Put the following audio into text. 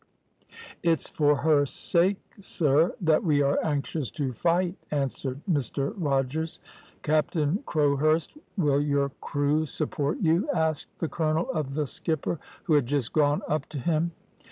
"`It's for her sake, sir, that we are anxious to fight,' answered Mr Rogers. "`Captain Crowhurst, will your crew support you?' asked the colonel of the skipper, who had just gone up to him.